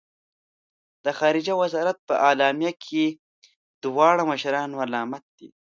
د خارجه وزارت په اعلامیه کې دواړه مشران ملامت دي.